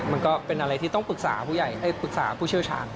มันก็เป็นอะไรที่ต้องปรึกษาผู้เชี่ยวชาญ